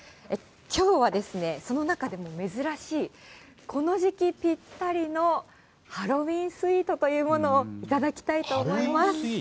きょうはその中でも珍しい、この時期ぴったりのハロウィンスウィートというものを頂きたいと思います。